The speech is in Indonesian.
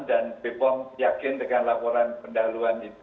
dan bepom yakin dengan laporan pendahuluan itu